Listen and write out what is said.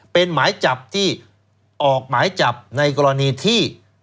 เป็นหมายจับที่ออกหมายจับในกรณีที่